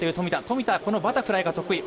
富田はこのバタフライが得意。